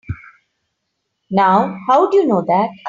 Now how'd you know that?